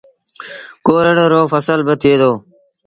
ڪورڙ رو ڦسل با ٿئي دو